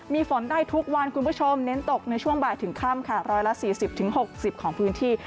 มีฝนได้ทุกวันคุณผู้ชมเน้นตกในช่วงบ่ายถึงค่ำค่ะ๑๔๐๖๐ของพื้นที่